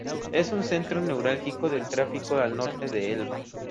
Es un centro neurálgico del tráfico al norte del Elba.